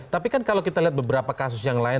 tapi kan kalau kita lihat beberapa kasus yang lain